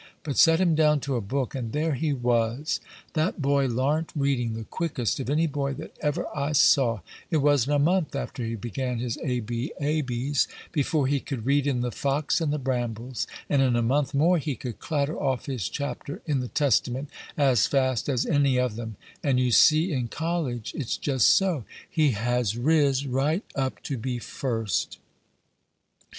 But set him down to a book, and there he was! That boy larnt reading the quickest of any boy that ever I saw: it wasn't a month after he began his a b, abs, before he could read in the 'Fox and the Brambles,' and in a month more he could clatter off his chapter in the Testament as fast as any of them; and you see, in college, it's jest so he has ris right up to be first."